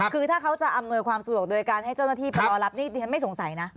คือถ้าเขาจะอำนวยความสะดวกโดยการให้เจ้าหน้าที่ไปรอรับนี่ดิฉันไม่สงสัยนะ